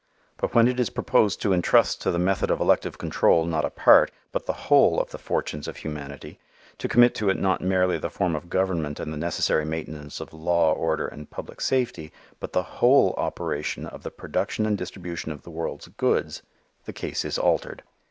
But when it is proposed to entrust to the method of elective control not a part but the whole of the fortunes of humanity, to commit to it not merely the form of government and the necessary maintenance of law, order and public safety, but the whole operation of the production and distribution of the world's goods, the case is altered.